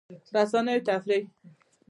رسنۍ او تفریح